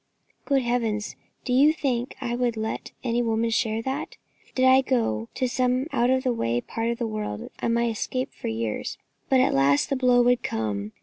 Good Heavens! do you think I would let any woman share that? Did I go to some out of the way part of the world, I might escape for years; but at last the blow would come.